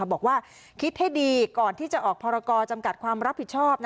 บอกว่าคิดให้ดีก่อนที่จะออกพรกรจำกัดความรับผิดชอบ